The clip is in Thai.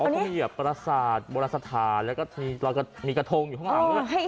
อ๋อก็มีอย่างปรสาทบรสธาแล้วก็มีกระทงอยู่ข้างหลัง